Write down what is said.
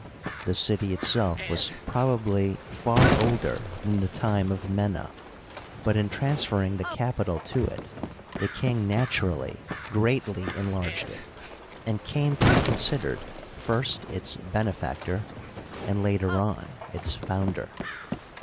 The city itself was probably far older than the time of Mena ; but, in transferring the capital to it, the king nat urally greatly enlarged it, and came to be considered, first, its benefactor, and later on its founder.